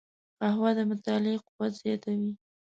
قهوه د مطالعې قوت زیاتوي